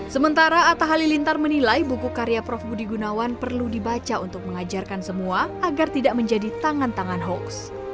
sementara atta halilintar menilai buku karya prof budi gunawan perlu dibaca untuk mengajarkan semua agar tidak menjadi tangan tangan hoax